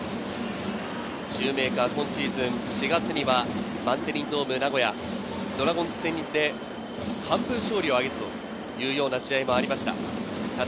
シューメーカー、今シーズン４月にはバンテリンドーム名古屋のドラゴンズ戦にて完封勝利を挙げるというような試合もありました。